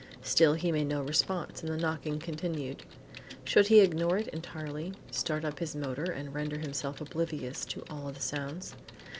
Still he made no response, and the knocking continued. Should he ignore it entirely, start up his motor and render himself oblivious to all other sounds?